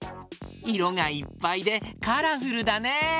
いろがいっぱいでカラフルだね！